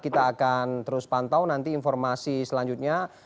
kita akan terus pantau nanti informasi selanjutnya